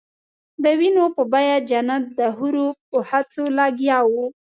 د وینو په بیه جنت د حورو په هڅو لګیا وو.